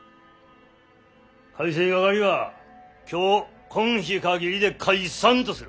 改正掛は今日こん日限りで解散とする。